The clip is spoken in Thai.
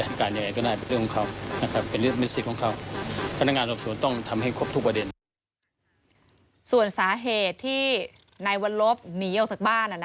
นายวันลบหนีออกจากบ้าน